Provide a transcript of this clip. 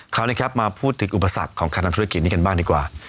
คราวนี้ครับมาพูดถึงอุปสรรคของการทำธุรกิจนี้กันบ้างดีกว่า